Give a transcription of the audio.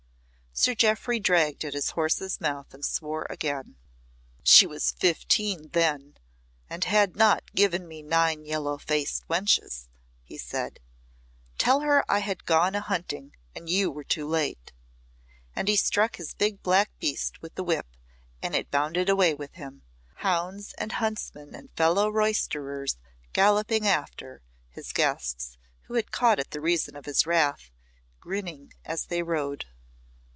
Sir Jeoffry dragged at his horse's mouth and swore again. "She was fifteen then, and had not given me nine yellow faced wenches," he said. "Tell her I had gone a hunting and you were too late;" and he struck his big black beast with the whip, and it bounded away with him, hounds and huntsmen and fellow roysterers galloping after, his guests, who had caught at the reason of his wrath, grinning as they rode.